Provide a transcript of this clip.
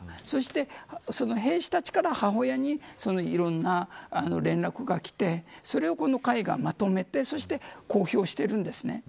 そして、兵士たちから母親にいろんな連絡が来てそれを、この会がまとめてそして、公表しているんです。